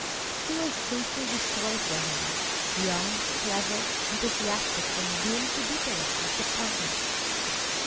She was sincerely sorry for him. Young, clever, enthusiastic, and doomed to bitterest disappointment.